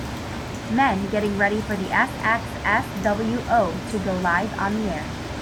Men getting ready for SXSWO to go live on the air